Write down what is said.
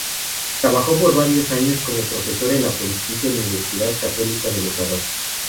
Trabajó por varios años como profesor en la Pontificia Universidad Católica del Ecuador.